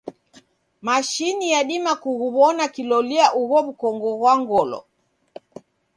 Mashini yadima kughuw'ona kilolia ugho w'ukongo ghwa ngolo.